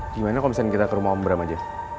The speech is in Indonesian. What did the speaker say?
gimana kalau misalnya kita ke rumah om bram aja